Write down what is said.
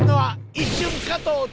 一瞬加藤２？